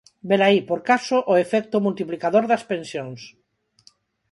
Velaí, por caso, o efecto multiplicador das pensións.